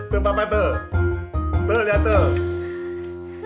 tuh papa tuh tuh lihat tuh